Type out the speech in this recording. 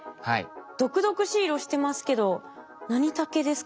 毒々しい色してますけど何タケですか？